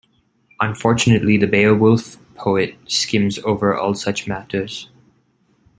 Unfortunately the "Beowulf" poet skims over all such matters.